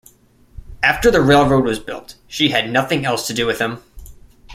After the railroad was built, she had nothing else to do with him.